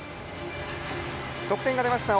得点が出ました